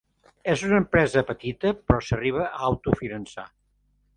És una empresa petita, però s'arriba a autofinançar.